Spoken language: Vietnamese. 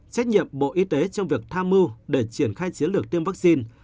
trách nhiệm bộ y tế trong việc tham mưu để triển khai chiến lược tiêm vắc xin